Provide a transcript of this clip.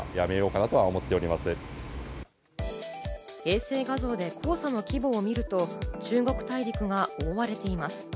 衛星画像で黄砂の規模を見ると中国大陸が覆われています。